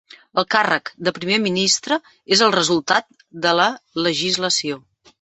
El càrrec de Primer Ministre és el resultat de la legislació.